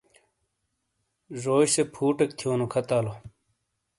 زوئی سے فُوٹیک تھیونو کھاتالو۔